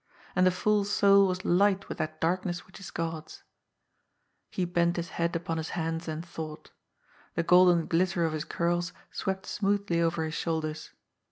And the fool's soul was light with that darkness which is God's. He bent his head upon his hands and thought. The golden glitter of his curls swept smoothly over his shoulders.